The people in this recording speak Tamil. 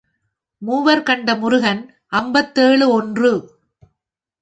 மூவர் கண்ட முருகன் ஐம்பத்தேழு ஒன்று.